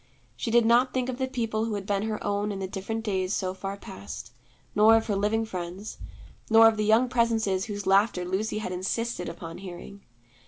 She did not think of the people who had been her own in the different days so far past, nor of her living friends, nor of the young presences whose laughter Lucy had insisted upon hearing.